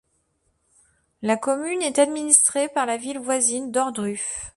La commune est administrée par la ville voisine d'ohrdruf.